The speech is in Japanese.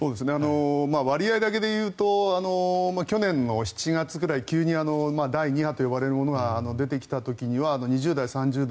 割合だけでいうと去年の７月くらい急に第２波と呼ばれるものが出てきた時には２０代、３０代